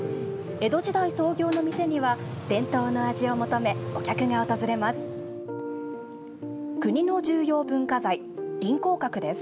江戸時代の創業の店には伝統の味を求め、お客が訪れます。